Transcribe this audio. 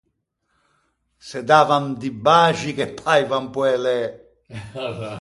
Se davan di baxi che paivan poelæ.